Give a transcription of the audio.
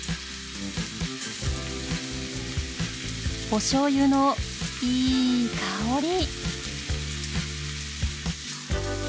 おしょうゆのいい香り。